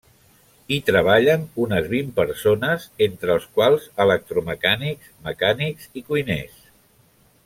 Hi treballen unes vint persones, entre els quals electromecànics, mecànics i cuiners.